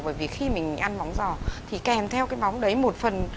bởi vì khi mình ăn móng giò thì kèm theo cái móng đấy một phần